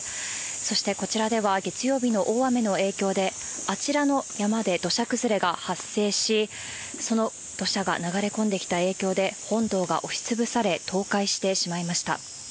そしてこちらでは、月曜日の大雨の影響で、あちらの山で土砂崩れが発生し、その土砂が流れ込んできた影響で、本堂が押しつぶされ、倒壊してしまいました。